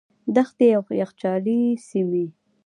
دښتې او یخچالي سیمې.